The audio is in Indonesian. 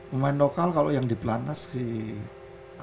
pemain lokal kalau yang di pelantas sih